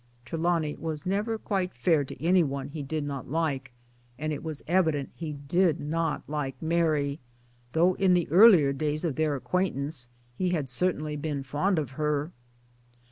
[Trelawny was never quite fair to any one he did 1 not like, and it was evident he did not like Mary though in the earlier days of their acquaintance he had certainly been fond of her.